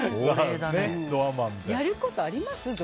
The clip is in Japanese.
やることあります？